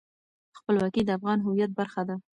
خپلواکي د افغان هویت برخه ده.